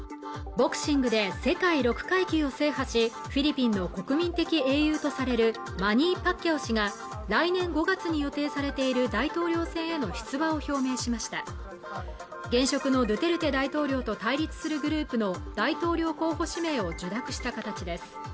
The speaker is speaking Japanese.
ボクシングで世界６階級を制覇しフィリピンの国民的英雄とされるマニー・パッキャオ氏が来年５月に予定されている大統領選への出馬を表明しました現職のドゥテルテ大統領と対立するグループの大統領候補指名を受諾した形です